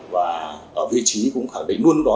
và ở vị trí cũng khẳng định luôn đó